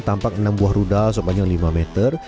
tampak enam buah rudal sepanjang lima meter